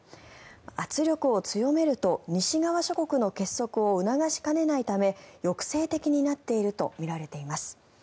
圧力を強めると西側諸国の結束を促しかねないため抑制的になっているとみられています。